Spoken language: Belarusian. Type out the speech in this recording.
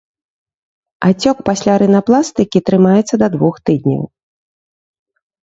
Ацёк пасля рынапластыкі трымаецца да двух тыдняў.